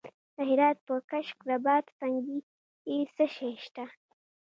د هرات په کشک رباط سنګي کې څه شی شته؟